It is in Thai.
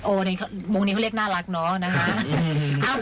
โอ้มุมนี้เขาเรียกน่ารักเนาะ